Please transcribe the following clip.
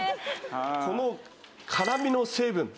この辛みの成分